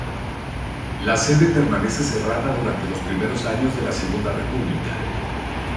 La sede permanece cerrada durante los primeros años de la Segunda República.